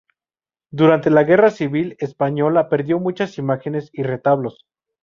Durante la Guerra Civil española perdió muchas imágenes y retablos.